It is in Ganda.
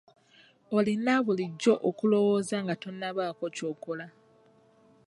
Olina bulijjo okulowooza nga tonnabaako ky'okola.